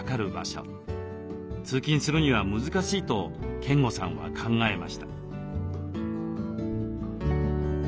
通勤するには難しいと健吾さんは考えました。